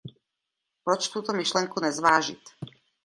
Proč tuto myšlenku nezvážit?